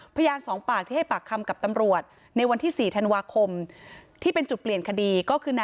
พยานสองปากที่ให้ปากคำกับตำรวจในวันที่๔ธันวาคมที่เป็นจุดเปลี่ยนคดีก็คือ